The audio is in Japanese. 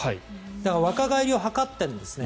だから、若返りを図っているんですね。